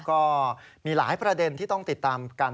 ก็มีหลายประเด็นที่ต้องติดตามกัน